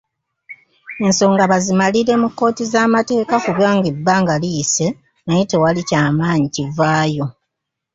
Ensonga bazimalire mu kkooti z'amateeka kuba ebbanga liyise naye tewali ky'amaanyi kivaayo.